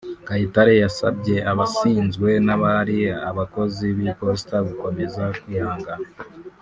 Kayitare yasabye abasinzwe n’abari abakozi b’Iposita gukomeza kwihangana